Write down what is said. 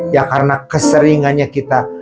ya karena keseringannya kita